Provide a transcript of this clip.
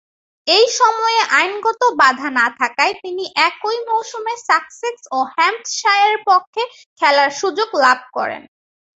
এ সময়ে আইনগত বাঁধা না থাকায় তিনি একই মৌসুমে সাসেক্স ও হ্যাম্পশায়ারের পক্ষে খেলার সুযোগ লাভ করেন।